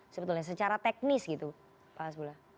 sebetulnya secara teknis gitu pak hasbullah